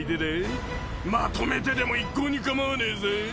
まとめてでも一向に構わねえぜ。